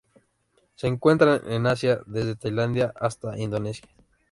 Se encuentran en Asia: desde Tailandia hasta Indonesia.